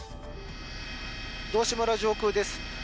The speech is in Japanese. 道志村上空です。